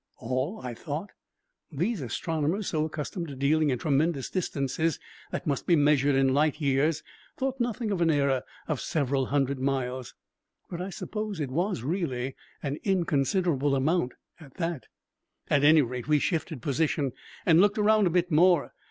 All! I thought. These astronomers, so accustomed to dealing in tremendous distances that must be measured in light years, thought nothing of an error of several hundred miles. But I suppose it was really an inconsiderable amount, at that. At any rate, we shifted position and looked around a bit more.